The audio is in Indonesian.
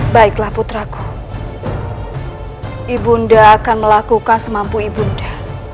baiklah putraku ibu nda akan melakukan semampu ibu nda